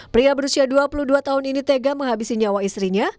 pria berusia dua puluh dua tahun ini tega menghabisi nyawa istrinya